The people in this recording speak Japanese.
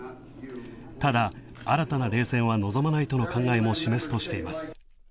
ただ新たな冷戦は望まないとの考えを示すとしています。